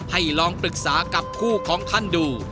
ให้ลองปรึกษากับคู่ของท่านดู